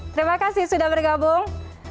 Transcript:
terima kasih sudah bergabung